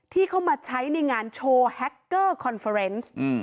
ที่เข้ามาใช้ในงานโชว์แฮคเกอร์คอนเฟอร์เนส